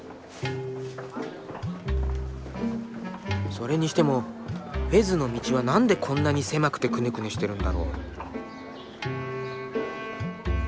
それにしてもフェズの道は何でこんなに狭くてくねくねしてるんだろう？